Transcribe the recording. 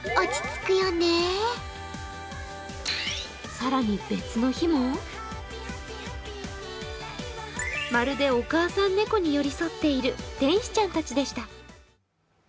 更に別の日もまるでお母さん猫に寄り添っている天使ちゃんたちでした。